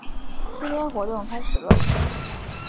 今天活动开始啰！